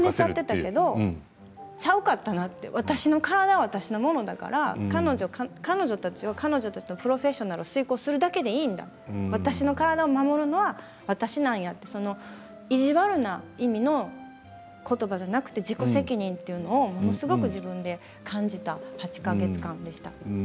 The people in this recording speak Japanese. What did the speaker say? でもそれはちゃうかったなと、私の体は私のものだから彼女たちは彼女たちのプロフェッショナルを遂行するだけでいいんだ私の体を守るのは私だって意地悪な意味の言葉ではなく自己責任というのをすごく自分で感じた８か月でした。